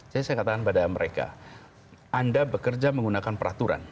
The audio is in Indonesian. jadi saya katakan pada mereka anda bekerja menggunakan peraturan